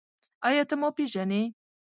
ایا ته ما پېژنې؟